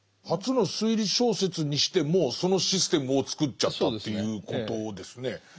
初の推理小説にしてもうそのシステムを作っちゃったということですね。